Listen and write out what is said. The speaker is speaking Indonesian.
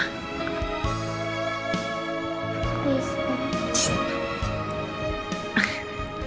mau makan apa